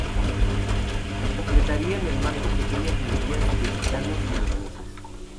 Completarían el marco pequeñas minorías de gitanos, y albaneses.